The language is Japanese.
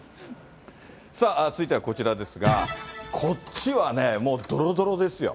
さあ、続いてはこちらですが、こっちはね、もうどろどろですよ。